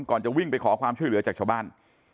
ก่อนจะวิ่งไปขอความช่วยเหลือจากชาวบ้าน